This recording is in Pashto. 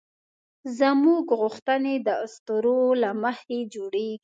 زموږ غوښتنې د اسطورو له مخې جوړېږي.